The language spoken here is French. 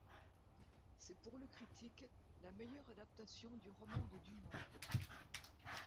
C'est pour le critique la meilleure adaptation du roman de Dumas.